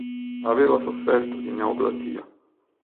Aveva sofferto di Neoplasia.